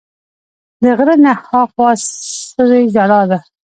د غره نه ها خوا سوې ژړا ده